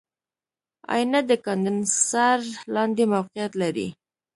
آئینه د کاندنسر لاندې موقعیت لري.